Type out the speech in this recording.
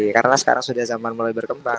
karena sekarang sudah zaman mulai berkembang